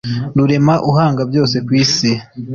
rurema uhanga byose kwisi